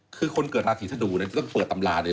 คือคนเกิดราศีถดูนะต้องเปิดตำราเลย